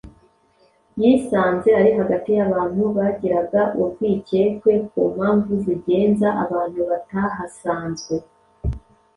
yisanze ari hagati y’abantu bagiraga urwikekwe ku mpamvu zigenza abantu batahasanzwe